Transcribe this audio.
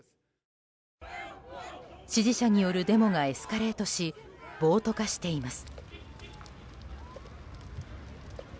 支持者によるデモがエスカレートし暴徒化しています。